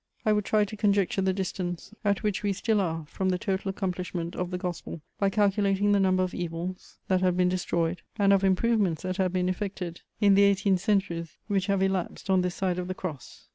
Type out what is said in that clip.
I would try to conjecture the distance at which we still are from the total accomplishment of the Gospel, by calculating the number of evils that have been destroyed and of improvements that have been effected in the eighteen centuries which have elapsed on this side of the Cross.